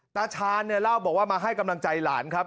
ตาชาญเนี่ยเล่าบอกว่ามาให้กำลังใจหลานครับ